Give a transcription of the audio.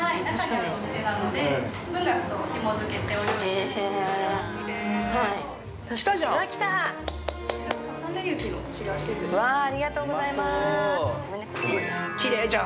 ◆ありがとうございます。